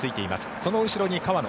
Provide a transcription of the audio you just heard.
その後ろに川野。